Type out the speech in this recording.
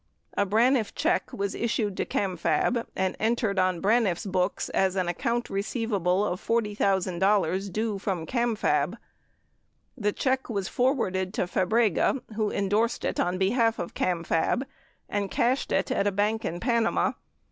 A Braniff check 51 was issued to Camfab and entered on Braniff's books as an account receivable of $40,000 due from Camfab. The check was forwarded to Fabrega who endorsed it on behalf of Camfab and cashed it at a bank in Panama.